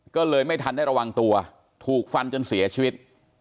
ก็เลยไม่ทันได้ระวังตัวถูกฟันจนเสียชีวิต